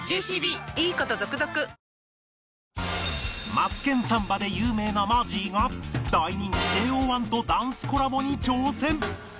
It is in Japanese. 『マツケンサンバ』で有名なマジーが大人気 ＪＯ１ とダンスコラボに挑戦！